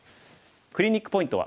クリニックポイントは。